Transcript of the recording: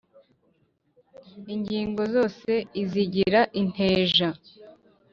ingingo zose izigira inteja